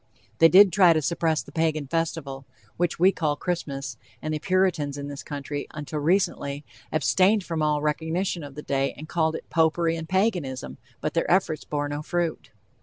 They did try to suppress the Pagan festival, which we call Christmas, and the Puritans in this country, until recently, abstained from all recognition of the day, and called it "Popery," and "Paganism," but their efforts bore no fruit.